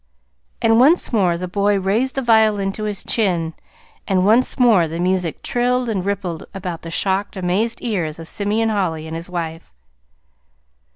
And once more the boy raised the violin to his chin, and once more the music trilled and rippled about the shocked, amazed ears of Simeon Holly and his wife.